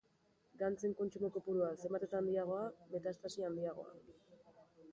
Gantzen kontsumo kopurua zenbat eta handiagoa, metastasi handiagoa.